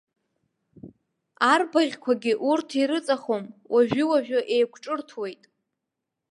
Арбаӷьқәагьы урҭ ирыҵахом, уажә-ыуажәы еиқәҿырҭуеит.